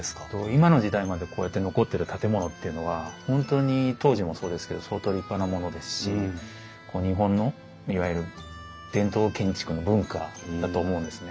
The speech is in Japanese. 今の時代までこうやって残ってる建物っていうのは本当に当時もそうですけど相当立派なものですし日本のいわゆる伝統建築の文化だと思うんですね。